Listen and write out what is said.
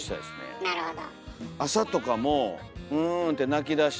あなるほど。